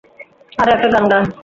আরে একটা গান গা।